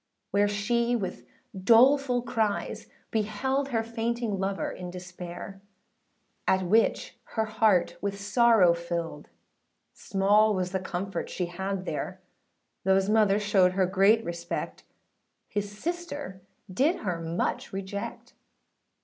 Where she with doleful cries beheld, Her fainting lover in despair; At which her heart with sorrow filled, Small was the comfort she had there; Thoughâs mother showed her great respect, His sister did her much reject.